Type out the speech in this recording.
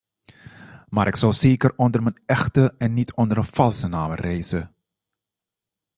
Maar ik zou zeker onder mijn echte, en niet onder een valse naam reizen.